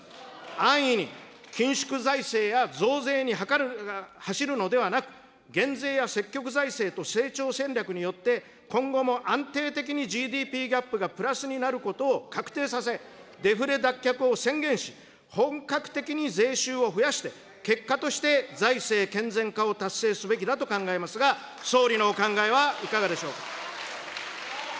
安易に緊縮財政や増税に走るのではなく、減税や積極財政と成長戦略によって、今後も安定的にＧＤＰギャップがプラスになることを確定させ、デフレ脱却を宣言し、本格的に税収を増やして、結果として財政健全化を達成すべきだと考えますが、総理のお考えはいかがでしょうか。